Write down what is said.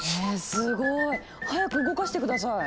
すごい！早く動かして下さい！